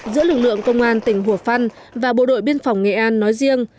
giữa lực lượng công an tỉnh hùa phân và bộ đội biên phòng nghệ an nói riêng